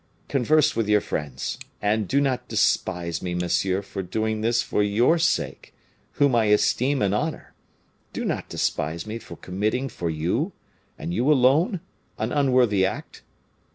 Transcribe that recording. Converse with your friends, and do not despise me, monsieur, for doing this for your sake, whom I esteem and honor; do not despise me for committing for you, and you alone, an unworthy act."